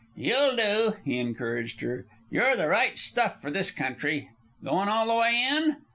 "You'll do," he encouraged her. "You're the right stuff for this country. Goin' all the way in?"